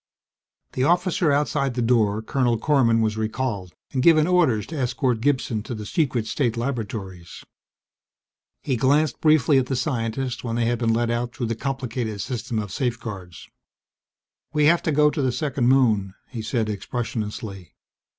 The officer outside the door, Colonel Korman, was recalled and given orders to escort Gibson to the secret state laboratories. He glanced briefly at the scientist when they had been let out through the complicated system of safeguards. "We have to go to the second moon," he said expressionlessly.